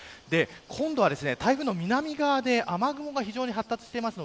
今度は台風の南側で雨雲が非常に発達しています。